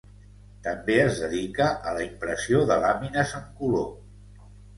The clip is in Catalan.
També es dedica a la impressió de làmines en color.